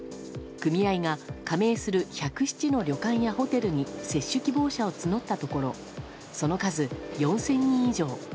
組合が加盟する１０７の旅館やホテルに接種希望者を募ったところその数、４０００人以上。